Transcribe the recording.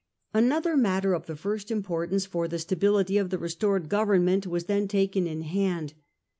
Another matter of the first importance for the stability of the restored government was then taken in hand.